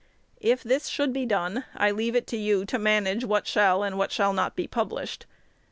If this should be done, I leave it with you to manage what shall and what shall not be published.